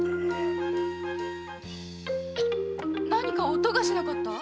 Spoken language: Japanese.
何か音がしなかった？